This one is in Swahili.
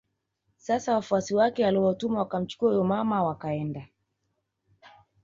Sasa wafuasi wake aliowatuma wakamchukue huyo mama wakaenda